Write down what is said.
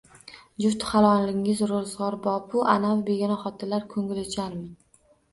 Jufti halolingiz ro‘zg‘orbop-u, anavi begona xotinlar ko‘ngilocharmi?